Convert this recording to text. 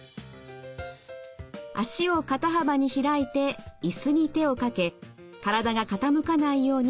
脚を肩幅に開いて椅子に手をかけ体が傾かないように脚を広げます。